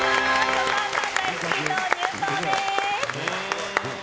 お母さん大好き党入党です。